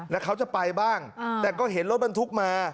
แล้วเขาจะไปบ้างแต่ก็เห็นรถบรรทุกมา